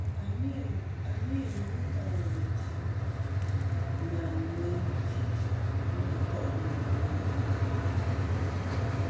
A ni-a ghɨ ɨlvɨ teyn ta wulwi bvɨ nà ŋweyn gvi nà to'nɨ nɨ̀ ŋweyn.